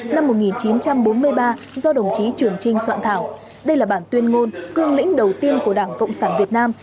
năm một nghìn chín trăm bốn mươi ba do đồng chí trường trinh soạn thảo đây là bản tuyên ngôn cương lĩnh đầu tiên của đảng cộng sản việt nam